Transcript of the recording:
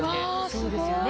そうですよね。